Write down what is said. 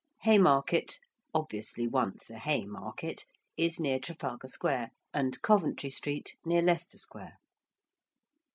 ~Haymarket~ (obviously once a hay market) is near Trafalgar Square, and ~Coventry Street~ near Leicester Square.